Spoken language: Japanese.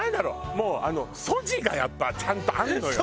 もうあの素地がやっぱちゃんとあるのよ。